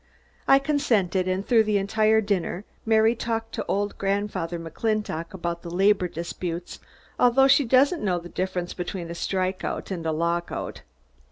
I consented, and through the entire dinner, Mary talked to old Grandfather McClintock about the labor disputes although she doesn't know the difference between a strike out and a lock out.